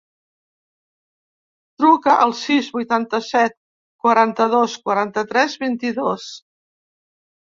Truca al sis, vuitanta-set, quaranta-dos, quaranta-tres, vint-i-dos.